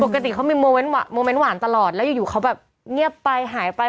ปกติเขามีโมเมนต์โมเมนต์หวานตลอดแล้วอยู่เขาแบบเงียบไปหายไป